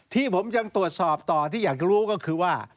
ที่ผมยังตรวจสอบต่อที่อยากรู้ก็คือว่า